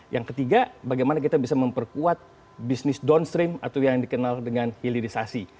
yang ketiga bagaimana kita bisa memperkuat bisnis downstream atau yang dikenal dengan hilirisasi